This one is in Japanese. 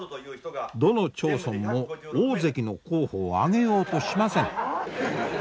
どの町村も大関の候補を挙げようとしません。